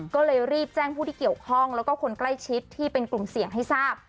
ก็เลยรีบแจ้งผู้ที่เกี่ยวข้องแล้วก็คนใกล้ชิดที่เป็นกลุ่มเสี่ยงให้ทราบ